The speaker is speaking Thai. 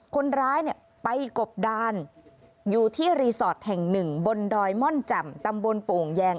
คนร้ายเนี่ยไปกบดานอยู่ที่รีสอร์ทแห่งหนึ่งบนดอยม่อนแจ่มตำบลโป่งแยง